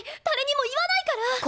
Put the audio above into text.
誰にも言わないから！